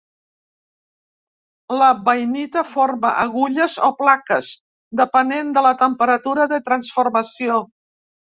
La bainita forma agulles o plaques, depenent de la temperatura de transformació.